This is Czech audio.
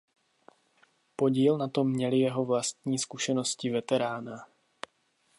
Podíl na tom měly jeho vlastní zkušenosti veterána.